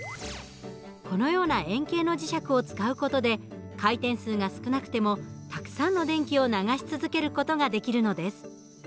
このような円形の磁石を使う事で回転数が少なくてもたくさんの電気を流し続ける事ができるのです。